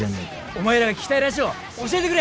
お前らが聴きたいラジオを教えてくれ！